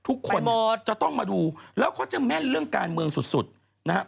ทุกคนจะต้องมาดูแล้วเขาจะแม่นเรื่องการเมืองสุดนะครับ